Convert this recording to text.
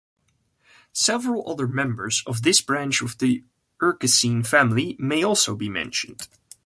Several other members of this branch of the Erskine family may also be mentioned.